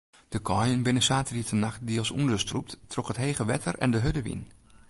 De kaaien binne saterdeitenacht diels ûnderstrûpt troch it hege wetter en de hurde wyn.